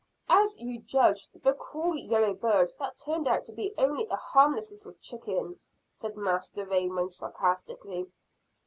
"As you judged the cruel yellow bird that turned out to be only a harmless little chicken," said Master Raymond sarcastically.